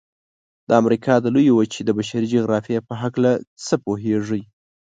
د امریکا د لویې وچې د بشري جغرافیې په هلکه څه پوهیږئ؟